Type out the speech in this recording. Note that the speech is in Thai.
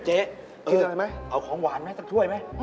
เจ๊เอาของหวานไหมสักถ้วยไหม